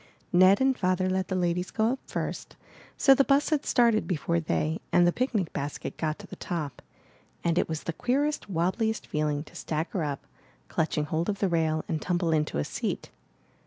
Ned and Father let the ladies go up first, so the bus had started before they and the picnic basket got to the top, and it was the queerest, wobbliest feeling to stagger up, clutching hold of the rail, and tumble into a seat.